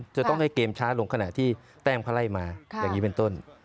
จะต้องให้เกมช้าลงขณะที่แต้มเขาไล่มาอย่างนี้เป็นต้น